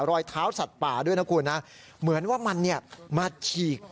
รอยเท้าสัตว์ป่าด้วยนะคุณนะเหมือนว่ามันเนี่ยมาฉีก